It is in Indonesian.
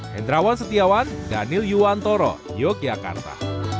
hendrawan setiawan daniel yuwantoro yogyakarta